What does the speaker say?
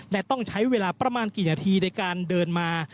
และต้องใช้เวลาประมาณกี่นาทีในการเดินมา